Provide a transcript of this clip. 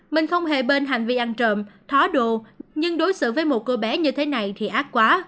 mình không hề bên hành vi ăn trộm thó đồ nhưng đối xử với một cô bé như thế này thì ác quá